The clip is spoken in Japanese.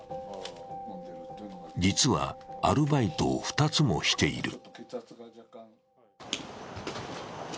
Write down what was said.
実は、アルバイトを２つもしている。